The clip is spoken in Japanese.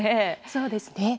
そうですね。